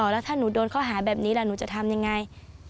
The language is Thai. แล้วถ้าหนูโดนข้อหาแบบนี้แล้วหนูจะทำยังไง